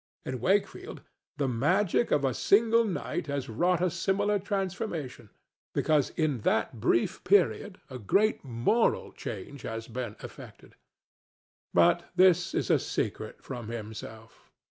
In Wakefield the magic of a single night has wrought a similar transformation, because in that brief period a great moral change has been effected. But this is a secret from himself.